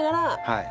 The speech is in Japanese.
はい。